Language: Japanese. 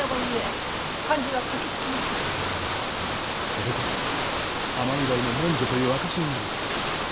これこそ尼御台の文書という証しになります。